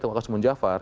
tengah kasus munjafar